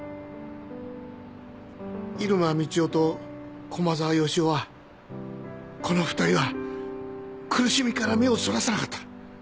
入間みちおと駒沢義男はこの２人は苦しみから目をそらさなかった。